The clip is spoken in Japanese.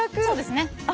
そうですね。